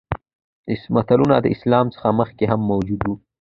متلونه د اسلام څخه مخکې هم موجود وو